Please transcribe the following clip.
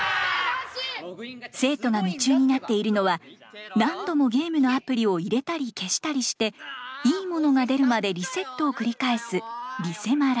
生徒が夢中になっているのは何度もゲームのアプリを入れたり消したりしていいものが出るまでリセットを繰り返すリセマラ。